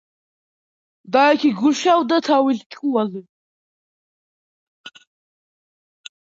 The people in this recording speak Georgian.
და იქ გეშავდა თავის ჭკუაზე